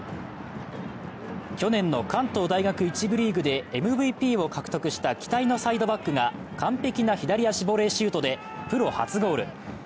去年の関東大学１部リーグでＭＶＰを獲得した期待のサイドバックが完璧な左足ボレーシュートでプロ初ゴール。